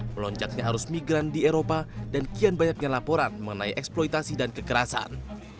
melonjaknya arus migran di eropa dan kian banyaknya laporan mengenai eksploitasi dan kekerasan